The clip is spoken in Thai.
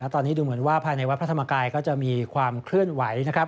ตอนนี้ดูเหมือนว่าภายในวัดพระธรรมกายก็จะมีความเคลื่อนไหวนะครับ